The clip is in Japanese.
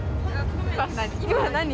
今何？